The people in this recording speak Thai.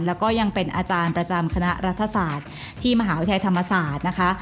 แล้วก็ยังเป็นอาจารย์ประจำคณะรัฐศาสตร์ที่มหาวิทยาลัยธรรมศาสตร์นะคะ